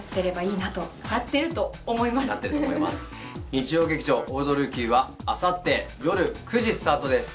日曜劇場「オールドルーキー」はあさって夜９時スタートです。